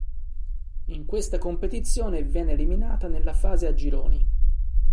In questa competizione viene eliminata nella fase a gironi.